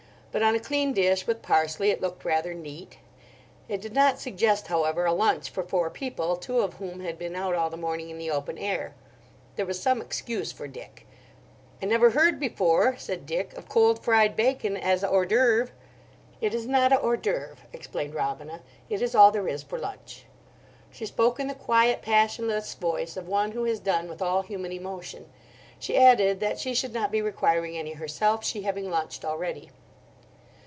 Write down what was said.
But on a clean dish with parsley it looked rather neat. It did not suggest, however, a lunch for four people, two of whom had been out all the morning in the open air. There was some excuse for Dick. "I never heard before," said Dick, "of cold fried bacon as a hors d'œuvre." "It is not a hors d'œuvre," explained Robina. "It is all there is for lunch." She spoke in the quiet, passionless voice of one who has done with all human emotion. She added that she should not be requiring any herself, she having lunched already.